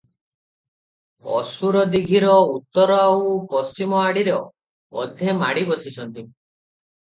ଅସୁରଦୀଘିର ଉତ୍ତର ଆଉ ପଶ୍ଚିମଆଡ଼ିର ଅଧେ ମାଡ଼ିବସିଅଛି ।